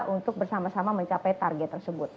untuk bersama sama mencapai target tersebut